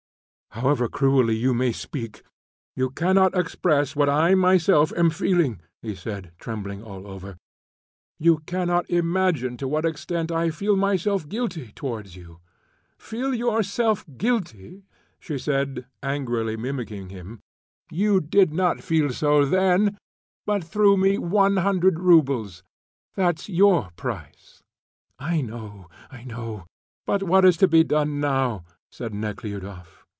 "However cruelly you may speak, you cannot express what I myself am feeling," he said, trembling all over; "you cannot imagine to what extent I feel myself guilty towards you." "Feel yourself guilty?" she said, angrily mimicking him. "You did not feel so then, but threw me 100 roubles. That's your price." "I know, I know; but what is to be done now?" said Nekhludoff.